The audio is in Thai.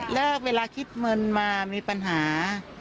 แล้วเวลาคิดเงินมามีปัญหา